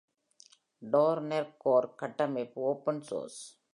Dot net core கட்டமைப்பு, open source.